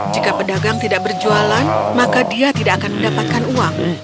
jika pedagang tidak berjualan maka dia tidak akan mendapatkan uang